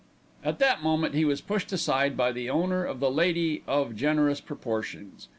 At that moment he was pushed aside by the owner of the lady of generous proportions.